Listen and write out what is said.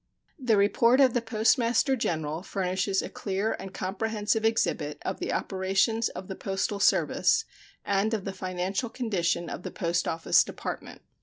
The report of the Postmaster General furnishes a clear and comprehensive exhibit of the operations of the postal service and of the financial condition of the Post Office Department.